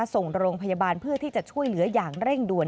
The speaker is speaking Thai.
ส่งโรงพยาบาลเพื่อที่จะช่วยเหลืออย่างเร่งด่วน